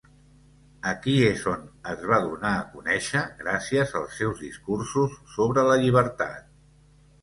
Aquí és on es va donar a conèixer gràcies als seus discursos sobre la llibertat.